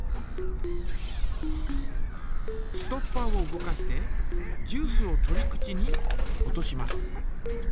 ストッパーを動かしてジュースを取り口に落とします。